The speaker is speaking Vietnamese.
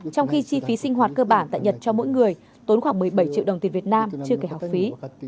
trong khi chi phí sinh hoạt cơ bản tại nhật cho mỗi người tốn khoảng một mươi bảy triệu đồng tiền việt nam chưa kể học phí